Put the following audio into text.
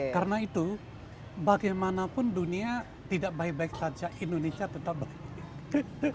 karena itu bagaimanapun dunia tidak baik baik saja indonesia tetap baik